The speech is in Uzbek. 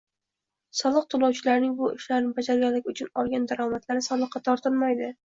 soliq to‘lovchilarning bu ishlarni bajarganlik uchun olgan daromadlari soliqqa tortilmaydi.